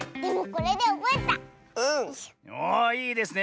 おおいいですね。